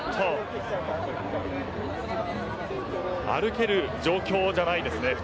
普通に歩ける状況じゃないですね。